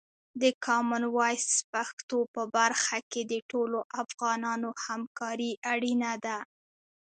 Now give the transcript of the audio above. د کامن وایس پښتو په برخه کې د ټولو افغانانو همکاري اړینه ده.